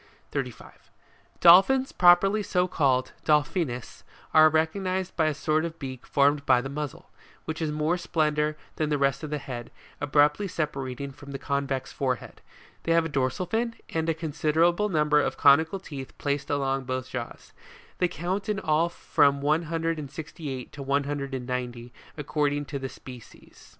35. DOLPHINS PROPERLY so CALLED, Delphinus, are recog nised by a sort of beak formed by the muzzle, which is more slender than the rest of the head, abruptly separating from the convex forehead: they have a dorsal fin, and a considerable number of conical teeth placed along both jaws ; they count in all from one hundred and sixty eight, to one hundred and ninety, according to the species.